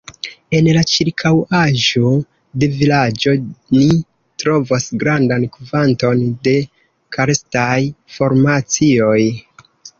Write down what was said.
En la ĉirkaŭaĵo de vilaĝo ni trovos grandan kvanton de karstaj formacioj.